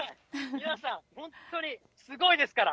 宮根さん、本当にすごいですから。